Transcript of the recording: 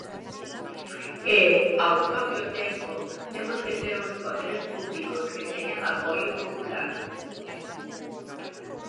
E, ao propio tempo, temos que ter uns poderes públicos que teñan apoio popular.